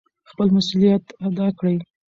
خپل مسؤلیت ادا کړئ.